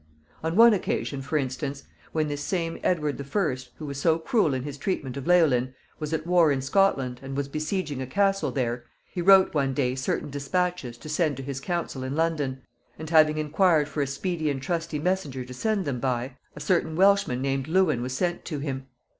On one occasion, for instance, when this same Edward the First, who was so cruel in his treatment of Leolin, was at war in Scotland, and was besieging a castle there, he wrote one day certain dispatches to send to his council in London, and, having inquired for a speedy and trusty messenger to send them by, a certain Welshman named Lewin was sent to him.